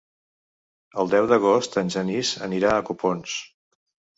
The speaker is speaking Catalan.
El deu d'agost en Genís anirà a Copons.